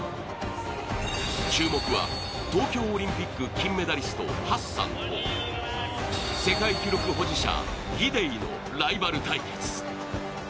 注目は東京オリンピック金メダリスト、ハッサンと世界記録保持者、ギデイのライバル対決。